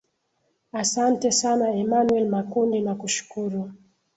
asante sana emanuel makundi nakushukuru